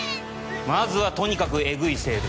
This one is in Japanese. まずはとにかくエグいセール